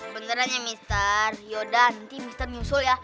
beneran ya mister yaudah nanti mister nyusul ya